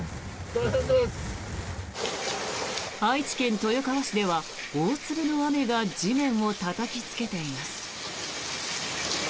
愛知県豊川市では大粒の雨が地面をたたきつけています。